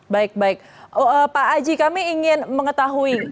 baik baik pak aji kami ingin mengetahui